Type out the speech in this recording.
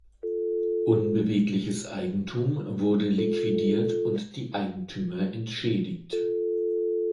Unbewegliches Eigentum wurde liquidiert und die Eigentümer entschädigt.